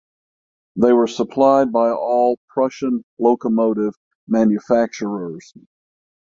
They were supplied by all Prussian locomotive manufacturers.